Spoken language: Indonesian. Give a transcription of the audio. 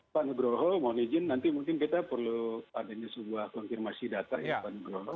pak nugroho mohon izin nanti mungkin kita perlu adanya sebuah konfirmasi data ya pak nugroho